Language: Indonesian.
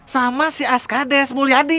sama si askades mulyadi